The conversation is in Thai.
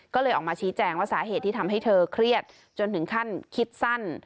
ก็เลยออกมาชี้แจงว่าสาเหตุที่ทำให้เธอเครียดจนถึงขั้นคิดสั้น